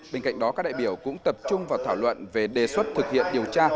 bên cạnh đó các đại biểu cũng tập trung vào thảo luận về đề xuất thực hiện điều tra